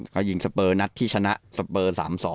เขายิงสเปอร์นัดที่ชนะสเปอร์๓๒